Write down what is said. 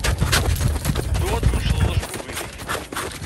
Ddu ad tmecḍed acebbub-nnek.